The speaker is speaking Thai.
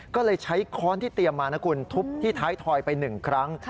ก็เลยใช้ค้อนที่เตรียมมานะคุณทุบที่ท้ายถอยไป๑ครั้ง